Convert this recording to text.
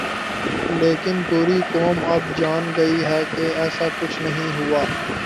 لیکن پوری قوم اب جان گئی ہے کہ ایسا کچھ نہیں ہوا۔